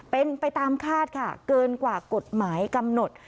เป็นไปตามคาดค่ะเกินกว่ากฎหมายกำหนด